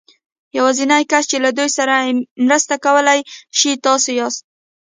يوازېنی کس چې له دوی سره مرسته کولای شي تاسې ياست.